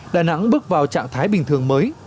đà nẵng bước vào trạng thái bình thường mới